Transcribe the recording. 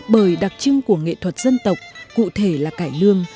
bởi đặc trưng của nghệ thuật dân tộc cụ thể là cải lương